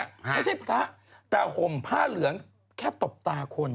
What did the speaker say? ไม่ใช่พระแต่ห่มผ้าเหลืองแค่ตบตาคน